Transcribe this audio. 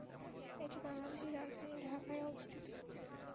এটি বাংলাদেশের রাজধানী ঢাকায় অবস্থিত।